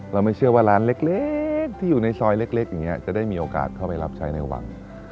เราไม่เชื่อว่าร้านเล็กที่อยู่ในซอยเล็กอย่างนี้จะได้มีโอกาสเข้าไปรับใช้ในวัง